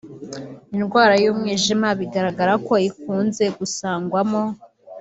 indwara y’umwijima bigaragara ko ikunze gusangwamo